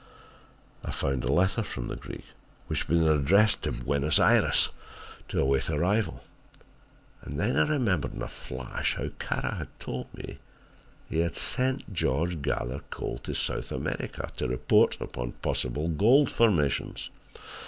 "I found a letter from the Greek, which had been addressed to Buenos Ayres, to await arrival, and then I remembered in a flash, how Kara had told me he had sent George Gathercole to South America to report upon possible gold formations.